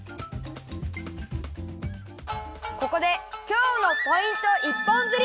ここで今日のポイント一本釣り！